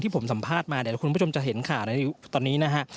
ที่ผมสัมภาษณ์มาแดดละคุณผู้ชมจะเห็นค่ะตอนนี้นะฮะ